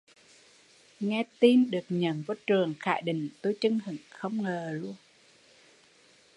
Nghe tin được nhận vô trường Khải Định tui chưng hửng không ngờ